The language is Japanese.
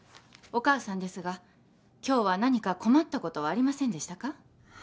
お母さんですが今日は何か困ったことはありませんでしたか？